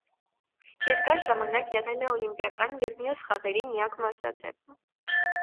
Երկար ժամանակ եղել է օլիմպիական և մյուս խաղերի միակ մարզաձևը։